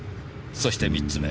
そして３つ目。